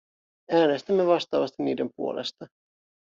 Äänestämme vastaavasti niiden puolesta.